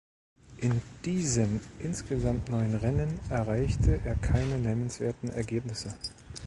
In diesen insgesamt neun Rennen erreichte er keine nennenswerten Ergebnisse.